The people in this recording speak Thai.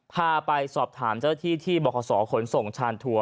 พาไปสอบถามเจ้าที่ที่บรศขนเศรษฐ์ส่งชาญถัว